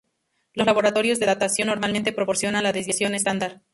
Los laboratorios de datación normalmente proporcionan la desviación estándar.